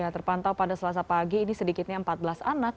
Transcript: terpantau pada selasa pagi ini sedikitnya empat belas anak